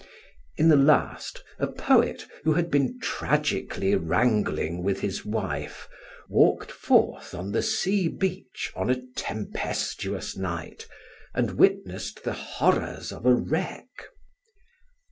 In the last, a poet, who had been tragically wrangling with his wife, walked forth on the sea beach on a tempestuous night and witnessed the horrors of a wreck.